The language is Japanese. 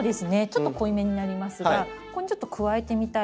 ちょっと濃いめになりますがここにちょっと加えてみたいと思います。